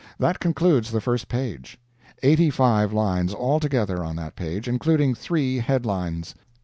That concludes the first page. Eighty five lines, altogether, on that page, including three headlines.